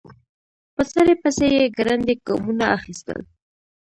په سړي پسې يې ګړندي ګامونه اخيستل.